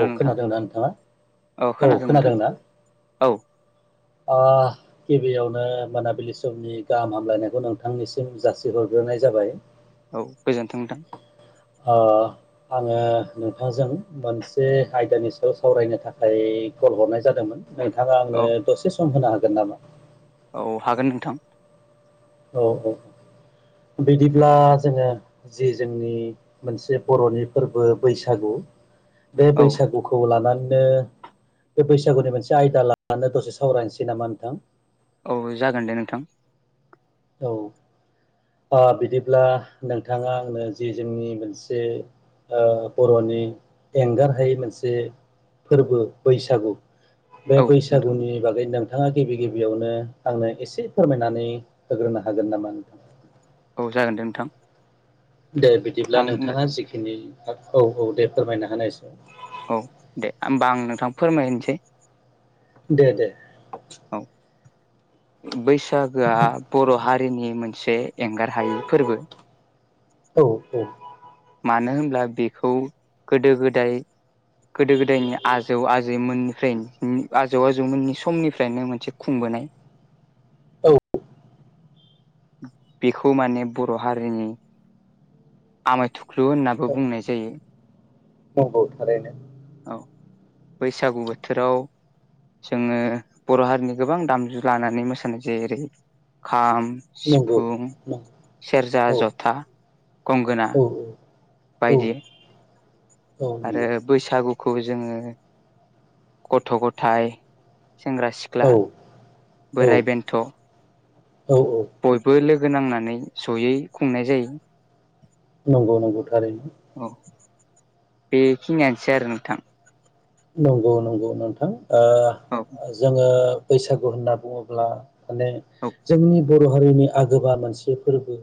औ नोंथां खोनादोंना नोंथाङा औ खोनादों नना औ आ गिबियावनो मोनाबिलि समनि गाहाम हामलायनायखौ नोंथांनिसिम जासिहरग्रोनाय जाबाय औ गोजोनथोंदों नोंथां अ आङो नोंथांजों मोनसे आयदानि सायाव सावरायनो थाखाय कल हरनाय जादोंमोन नोंथाङा आंनो औ दसे सम होनो हागोन नामा औ हागोन नोंथां औ औ बिदिब्ला जोङो जि जोंनि मोनसे बर'नि फोरबो बैसागु बे औ बैसागुखौ लानानै नो बे बैसागुनि मोनसे आयदा लानानै दसे सावरायनोसै नामा नोंथां औ जागोन दे नोंथां औ [inaudible] ओ बिदिब्ला नोंथाङा आंनो जि जोंनि मोनसे ओ बर'नि एंगारहायै मोनसे फोरबो बैसागु बे औ नोंथां बैसागुनि बागै नोंथाङा गिबि गिबियावनो आंनो एसे फोरमायनानै होग्रोनो हागोन नामा नोंथां औ जागोन दे नोंथां दे बिदिब्ला आं नोंथाङा जिखिनि औ औ दे फोरमायना हानायसै औ दे होमबा आं नोंथां फोरमायनोसै दे दे औ बैसागोआ बर' हारिनि मोनसे एंगार हायि फोरबो। औ औ मानो होनब्ला बेखौ गोदो गोदाय गोदो गोदायनि आजौ आजैमोन [unintelligible] आजौ आजौमोननि समनिफ्रायनो मोनसे खुंबोनाय। औ बेखौ माने बर' हारिनि आमाय थुख्लु होननाबो बुंनाय जायो। नंगौ थारैनो। औ बैसागु बोथोराव जोङो बर' हारिनि गोबां दामजु लानानै मोसानाय जेरै खाम, नंगौ सिफुं, सेरजा, औ जथा, गंगोना। औ औ बायदि औ आरो नंगौ बैसागुखौ जोङो गथ' गथाय सेंग्रा सिख्ला, औ औ बोराय बेन्थ' औ औ गोनांनानै जयै खुंनाय जायो। नंगौ नंगौ थारैनो। औ बेखिनियानोसै आरो नोंथां। नंगौ नंगौ नोंथां ओ औ जोङो बैसागु होनना बुङोब्ला माने औ जोंनि बर' हारिनि आगोबा मोनसे फोरबो।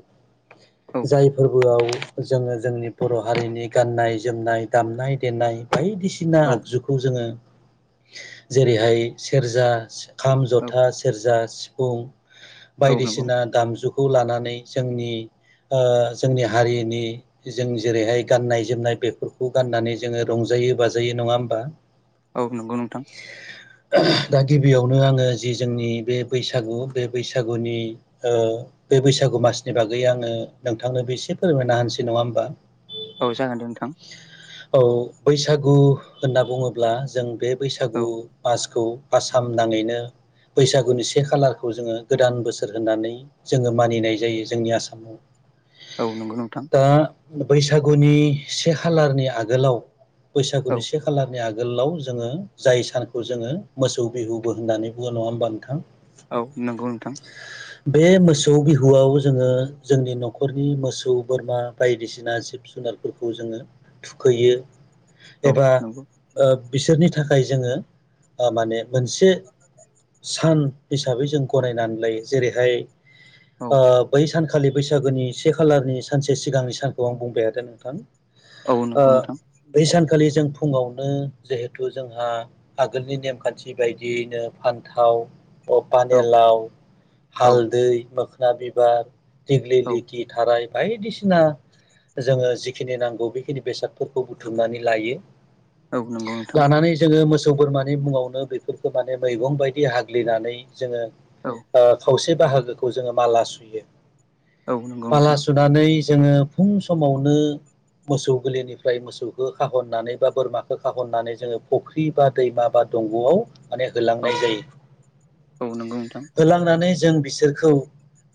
जाय फोर बोआव जोङो जोंनि बर' हारिनि गाननाय जोमनाय, दामनाय देनाय बायदि सिना औ जोङो जेरैहाय सेरजा, सिखाम औ जथा, सेरजा, सि फुं औ नंगौ बायदिसिना दामजुखौ लानानै जोंनि ओ जोंनि हारिनि जों जेरैहाय गाननाय जोमनाय बेफोरखौ गाननानै जोङो रंजा जायो बाजायो नङा होमबा? औ नंगौ नोंथां दा गिबियावनो आङो जि जोंनि बे बैसागु बे बैसागुनि ओ बे बैसागु मासनि बागै आङो नोंथांनोबो एसे फोरमायनो होनानोसै नङा होमबा? औ जागोन दे नोंथां। औ बैसागु होनना बुङोब्ला जों बे औ बैसागु मास खौ आसाम नाङैनो बैसागुनि से खालारखौ जोङो गोदान बोसोर होननानै जोङो मानिनाय जायो जोंनि आसामाव औ नंगौ नोंथां। दा बैसागुनि से खालारनि आगोलाव औ बैसागुनि से नि आगोलाव जोङो जाय सानखौ जोङो मोसौ बिहुबो होननानै बुङो, नङा होमबा नोंथां? औ नंगौ नोंथां। बे मोसौ बिहुआव जोङो जोंनि न'खरनि मोसौ बोरमा बायदिसिना जि ब जुनारफोरखौ जोङो थुखैयो। औ एबा नंगौ ओ बिसोरनि थाखाय जोङो ओ माने मोनसे सान हिसाबै जों गनायनानै लायो जेरैहाय, औ ओ बै सान खालि बैसागोनि से खालारनि सानसे सिगांनि सानखौ आं बुंबाय [unintelligible] नोंथां औ नंगौ नोंथां। खालि जों फुङावनो जिहेथु जोंहा आगोलनि नेमखान्थि बायदियैनो फान्थाव औ पानेलाव, औ हालदै, मोखना बिबार दिग्लि औ लिति थाराय बायदिसिना जोङो जिखिनि नांगौ बेखिनि बेसादफोरखौ बुथुमनानै लायो। औ नंगौ नोंथां लानानै जोङो मोसौ, बोरमा बेनि उनावनो बैफोरखौ माने मैगं बायदि हाग्लिनानै जोङो औ ओ खावसे बाहागोखौ जोङो माला सुयो औ नंगौ माला नोंथां सुनानै जोङो फुं समावनो मोसौ गलिनिफ्राय मोसौखौ खाहननानै बा बोरमाखौ खाहननानै जोङो फुख्रि बा दैमा बा दंग'आव माने औ होलांनाय जायो औ नंगौ नोंथां होलांनानै जों बिसो रखौ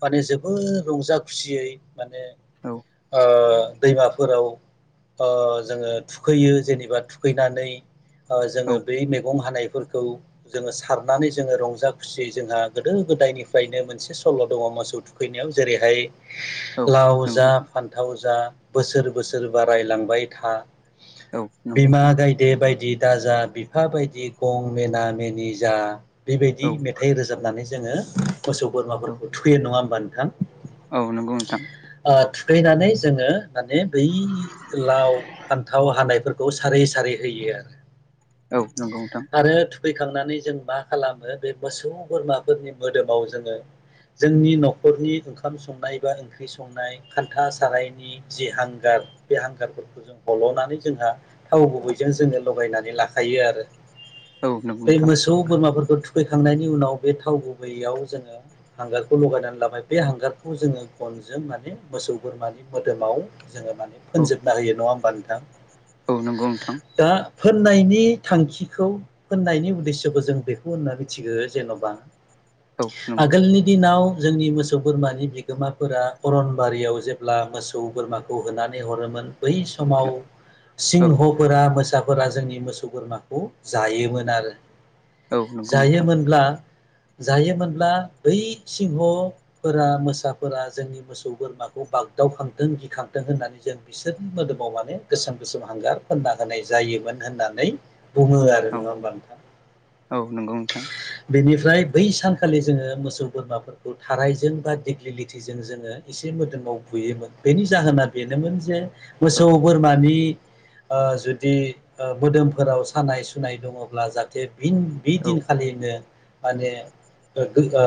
माने जोबोर रंजा खुसियै माने औ ओ दैमाफोराव ओ जोङो थुखैयो जेनेबा थुखैनानै ओ औ जोङो बै मैगं हानाय फोरखौ जोङो सारनानै जोङो रंजा खुसियै जोंहा गोदो गोदायनिफ्रायनो मोनसे सल' दङ मोसौ थुखैनायाव जेरैहाय औ लाव जा नंगौ नोंथां फान्थाव जा बोसोर बोसोर बारायलांबाय था औ नंगौ बिमा नोंथां गायदे बायदि दाजा बिफा बायदि गं मेना मेनि जा बेबायदि औ मेथाइ रोजाबनानै जोङो मोसौ औ बोरमाफोरखौ थुयो नङा होमबा नोंथां औ नंगौ नोंथां ओ फैनानै जोङो माने बै लाव फान्थाव हानायफोर खौ सारै सारै होयो आरो औ नंगौ नोंथां फैखांनानै जों मा खालामो बे मोसौ बोरमाफोरनि मोदोमाव जोङो जोंनि न'खरनि ओंखाम संनाय बा ओंख्रि संनाय खान्था सारायनि जि हांगार बे हांगारफोरखौ जों हल'नानै जोंहा थाव गुबैजों जोङो लगायनानै लाखायो आरो औ नंगौ बे नोंथां मोसौ बोरमाफोरखौ थुखैखांनायनि उनाव बे थाव गुबैयाव जोङो हांगारखौ लगायनानै लाबाय बे हांगारखौ जोङो गनजों माने मोसौ बोरमानि मोदोमाव जोङो माने औ फोनजोबनो होयो नङा होमबा नोंथां औ नंगौ नोंथां। दा फोननायनि थांखिखौ फोननायनि उद्देस्स'खौ जों बेखौ होनना मिथिगौ जेन'बा औ नंगौ आगोलनि दिनाव जोंनि मोसौ बोरमानि बिगोमाफोरा अरनबारियाव जेब्ला मोसौ बोरमाखौ होनानै हरोमोन बै समाव औ सिंहफोरा मोसाफोरा जोंनि मोसौ बोरमाखौ जायोमोन आरो औ नंगौ नोंथां जायोमोनब्ला जायोमोनब्ला बै सिंह फोरा मोसाफोरा जोंनि मोसौ बोरमाखौ बाग दाउखांथों गिखांथों होननानै जों बिसोरनि मोदोमाव माने गोसोम गोसोम हांगार फोनना होनाय जायोमोन होननानै बुङो आरो औ नङा होमबा नोंथां औ नंगौ नोंथां बेनि फ्राय बै सानखालि जोङो मोसौ बोरमाफोरखौ थारायजों बा देग्लिथिजों जोङो एसे मोदोम आव बुयोमोन बेनि जाहोना बेनोमोन जे औ मोसौ बोरमानि ओ जुदि ओ मोदोमफोराव सानाय सुनाय दङब्ला जाहाथे फिन बि औ दिनखालिनो माने ओ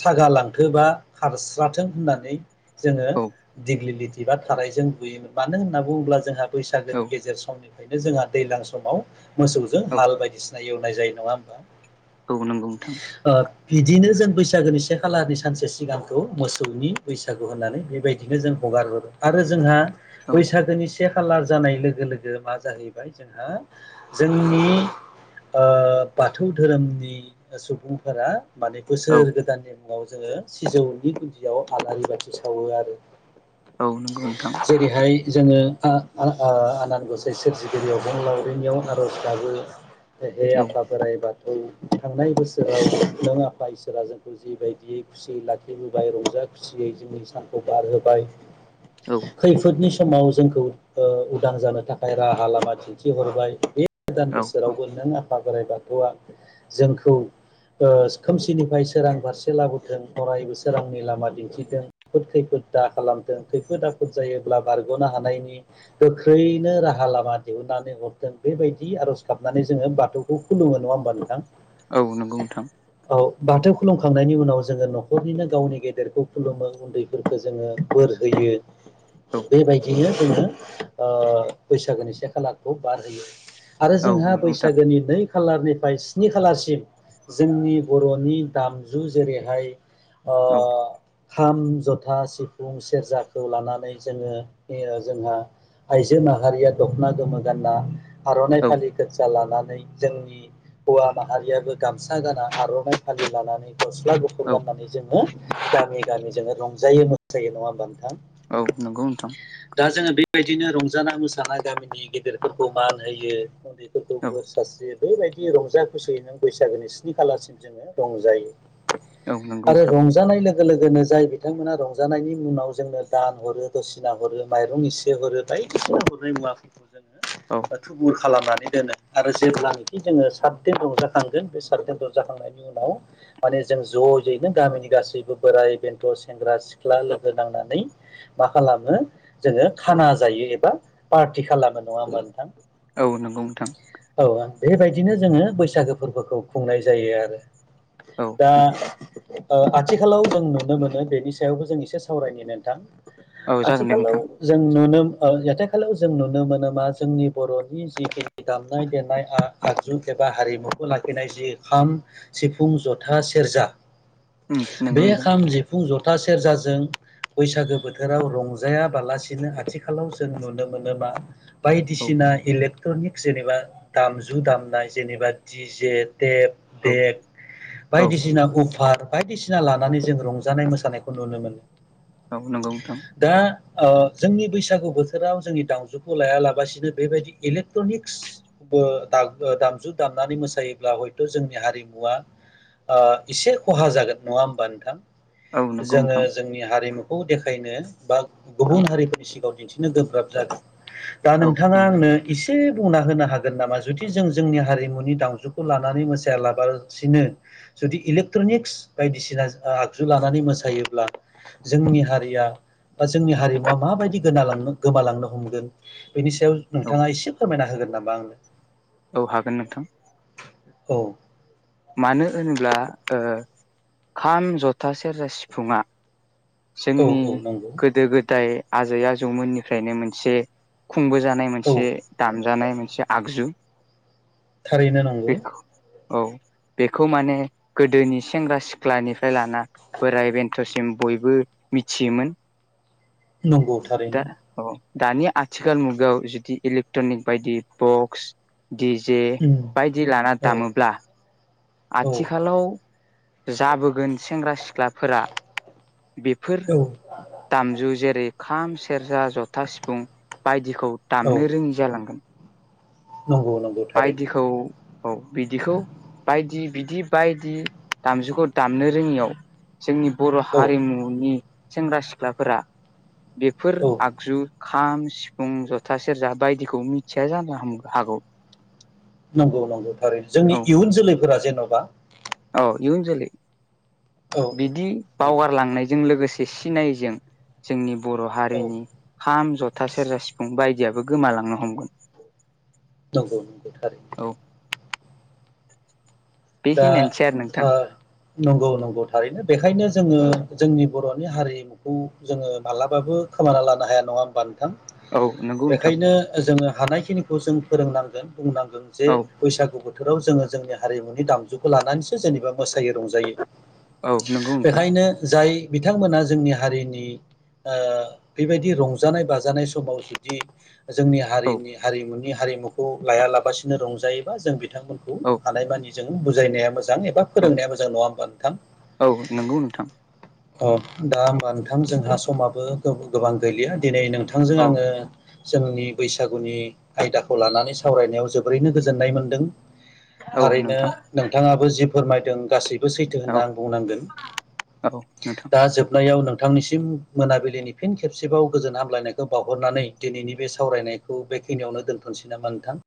सागा लांथो बा खारस्राथों होननानै जोङो औ दिग्लिलिथि बा थारायजों बुयोमोन मानो होनना बुङोब्ला जोंहा औ बैसागोनि गेजेर समनिफ्रायनो जोंहा दैज्लां समाव मोसौजों औ हाल बायदिसिना एव नाय जायो नङा होमबा औ नंगौ नोंथां ओ बिदिनो जों बैसागोनि से खालारनि सानसे सिगांखौ मोसौनि बैसागु होननानै बेबायदिनो जों हगारबोदों आरो जोंहा औ बैसागोनि से खालार जानाय लोगो लोगो मा जाहैबाय जोंहा जोंनि बाथौ धोरोमनि सुबुंफोरा माने औ बोसोर गोदाननि मुङाव जोङो सिजौनि गुन्दियाव आलारि बाथि सावो आरो औ नोंगौ नोंथां जेरैहाय जोङो आनान गसाइ सोरजिगिरियाव बं लावरिनियावन आरज गाबो ह औ आफा बायो बाथ [inaudible] थांनाय बोसोराव नों आफा इसोरा जोंखौ जिबायदियै खुसियै लाखिबोबाय रंजा खुसियै जोंनि सानखौ बारहोबाय औ खैफोदनि समाव जोंखौ उदां जानो थाखाय राहा लामा दिन्थिहरबाय बे गोदान औ बोसोरावबो नों आफ बोराइ बाथौआ जोंखौ खोमसिनिफ्राय सोरां फारसे लाबोथों अरायबो सोरांनि लामा दिन्थिदों खैफोद खैफोद दा खालामथों खैफोद आफफोद जायोब्ला बारगनो हानायनि गोख्रैनो राहा लामा दिहुननानै हरदों बेबायदि आरज गाबनानै जोंङो बाथौखौ खुलुमो नोंङा होनबा नोंथां औ नंगौ नोंथां औ बाथौ खुलुमखांनायनि उनाव जोंङो नखरनिनो गावनि गेदेरखौ खुलुमो उन्दैफोरखौ जोंङो बोर होयो औ बेबायदिनो जोंङो बैसागोनि से खालाखखौ बारहोयो आरो औ जोंहा नंगौ नोंथां बैसागोनि नै खालारनिफ्राय स्नि खालारसिम जोंनि बरनि दामजु जेरैहाय अ औ खाम जथा सिफुं सेरजाखौ लानानै जोंङो [unintelligible] जोंहा आइजो माहारिया दखना गोमो गानना आरनाइ औ फालि खजया लानानै जोंनि हवा माहारियाबो गामसा गाना आरनाइ फालि लानानै गस्ला गुफुर औ गाननानै जोंङो गामि गामि जोंङो रंजायो मोसायो नङा होमबा नोंथां औ नंगौ नोंथां दा जोङो बेबायदिनो रंजा मोसानानाय गामिनि गेदेरफोरखौ मान होयो उन्दैफोरखौ बोर औ सासे बेबायदि रंजा खुसियै नों बैसागोनि स्नि खालारसिम जोंङो रंजायो औ नंगौ आरो नोंथां रंजानाय लोगो लोगो लोगोनो जाय बिथांमोना रंजानायनि मुनाव जोंनो दान हरो दसिना हरो माइरं इसि हरो बायदिसिना हरनाय औ [unintelligible] खालामनानै दोनो आरो जेब्लानोाखि जोंङो सात दन द जाखांगोन बे सात दन द जाखांनायनि उनाव माने जों जजयैनो गामिनि गासैबो बोराय बेन्थ' सेंग्रा सिख्ला लोगो नांनानै मा खालामो जोंङो खाना जायो एबा पार्टि खालामो नंङा मोनोनथां औ नंगौ नोंथां बेबायदिनो जोंङो बैसागो फोरबोखौ खुंनाय जायो आरो औ दा नंगौ आथिखालाव जों नुनो मोनो बेनि सायावबो जों एसे सावरायनि नोंथां औ जागोन दे आथिखालाव नोंथां जों नुनो जाथाय खालायाव जों नुनो मोन मा जोंनि बर'नि जि दामनाय देनाया आगजु एबा हारिमुखौ लाखिनाय जि खाम सिफुं जथा सेरजा उम नंगौ बे नोंथां खाम जिफुं जथ था सेरजाजों बैसागो बोथोराव रंजाया बालासि बिदिनो आथिखालाव जों नुनो मोनोबा औ बायदिसिना एलक्ट्रनिक् जेनेबा दामजु दामनाय जेनेबा डीजे एट औ देग औ बायदिसिना अफार बायदिसिना लानानै जों रंजानाय मोसानायखौ नुनो मोनो औ नंगौ नोंथां औ जोंनि बैसागु बोथोराव जोंनि दाउजौखौ लायालाबसिनो बेबायदि इलेक्ट्रनिक्स बो दामजु दामनानै मोसायोब्ला हयथ जोंनि हारिमुवा ओ एसे खहा जागोन नंङा होमबा नोंथां औ नंगौ जोंङो नोंथां जोंनि हारिमुखौ देखायनो बा गुबुन हारि सिगाङाव दिन्थिनो गोब्राब जादों दा औ नोंथाङा नंगौ आंनो नोंथां एसे बुंना होनो हागोन नामा जुदि जों जोंनि हारिमुनि दामजुखौ लानानै मोसाायालागासिनो। जुदि इलेक्ट्रनिक्स बायदिसिना आगजु लानानै मोसायोब्ला जोंनि हारिया बा जोंनि हारिमु माबायदि गोनालांनो गोमालांनो हमगोन बेनि सायाव औ नोंथाङा एसे फोरमायना होगोन आम बांनो औ हागोन नोंथां। औ मानो होनोब्ला खाम जथा सेरजा सिफुङा औ जोंनि औ नंगौ गोदो गोदाय आजै आजौमोननिफ्रायनो मोनसे खुंबोजानाय औ मोनसे दामजानाय मोनसे आगजु थारैनो नांगौ बेखौ औ बेखौ माने गोदोनि सेंग्रा सिख्लानिफ्राय लाना बोराय बेन्थ'सिम बो मिथियोमोन। नंगौ दा थारैनो औ दानि आथिखाल मुगायाव जुदि इलेक्ट्रनिक बायदि बक्स दि जे उम बायदि लाना औ दामोब्ला औ आथिखालाव जाबोगोन सेंग्रा सिख्लाफोरा बेफोर औ दामजु जेरै खाम सेरजा जथा सिफुं बायदि खौ औ दामनो रोङि जालांगोन। नंगौ नंगौ थारैनो बायदिखौ औ बिदिखौ बायदि बिदि बायदि दामजुखौ दामनो रोङियाव जोंनि बर' औ हारिमुनि सेंग्रा सिख्लाफोरा बेफोर औ आगजु खाम सिफुं जथा सेरजा बायदिखौ मिथिया जानो हा हागौ नंगौ नंगौ थारैनो जोंनि औ इयुन जोलैफोरा जेन'बा औ इउन जोलि औ बिदि नंगौ बावगारलांनायजों लोगोसे सिनायजों जोंनि बर' औ हारिनि खाम जथा सेरजा सिफुं बायदियाबो गोमालांनो हमगोन। नंगौ नंगौ थारैनो औ दा बेखिनियानोसै ओ नंगौ नंगौ थारैनो बेखायनो जोङो जोंनि बर'नि हारिमुखौ जोङो मालाबाबो खोमाना लानो हाया नङा होमबानो । थां आरो नोंथां बेखायनो जोङो हानायखिनिखौ जों फोरोंनांगोन। बुंनांगोन जे औ बैसागु बोथोराव जोङो जोंनि हारिमु दामजुखौ लानानैसो जेनेबा मोसायो रंजायो नंगौ नोंथां बेखायनो जाय बिथांमोना जोंनि हारिनि ओ बेबायदि रंजानाय बाजानाय समाव जुदि जोंनि हारिनि हारिमुनि हारिमुखौ लायालाबासिनो रंजायोबा जों बिथांमोनखौ औ हानायमानि जो बुजायनाया मोजां एबा फोरोंनाया मोजां नङा होमबा नोंथां। औ नंगौ नोंथां अ दा होमबा नोंथां जोंहा समाबो गोबां गैलिया दिनै नोंथांजों औ आङो जोंनि बैसागुनि आयदाखौ लानानै सावरायनायाव जोबोरैनो गोजोननाय मोनदों। औ थारैनो नोंथां। नोंथाङाबो जि फोरमायदों गासै बो सैथो औ होनना आं बुंनांगोन औ नोंथां दा जोबनायाव नों। थांनिसिम मोनाबिलिनि फिन खेबसेबाव गोजोन हामलायनायखौ बावहरनानै दिनैनि बे सावरायनायखौ बे। खिनियावनो दोन्थ'नोसै नामा नोंथां।